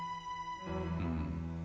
うん。